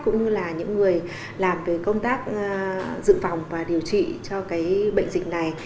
cũng như là những người làm công tác dự phòng và điều trị cho cái bệnh dịch này